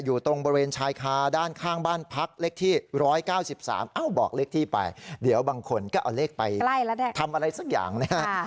อยู่ตรงบริเวณชายคาด้านข้างบ้านพักเลขที่๑๙๓บอกเลขที่ไปเดี๋ยวบางคนก็เอาเลขไปทำอะไรสักอย่างนะฮะ